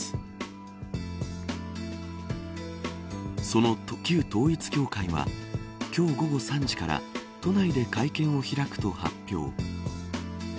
その旧統一教会は今日午後３時から都内で会見を開くと発表。